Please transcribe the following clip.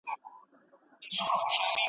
احمد په دغه خوني کي خپلي زده کړي وکړې.